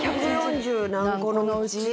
１４０何個のうち？